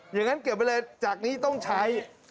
อย่างนั้นเก็บไปเลยจากนี้ต้องใช้